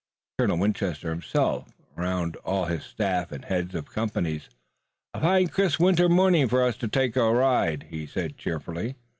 Colonel Winchester himself aroused all his staff and heads of companies. "A fine crisp winter morning for us to take a ride," he said cheerfully.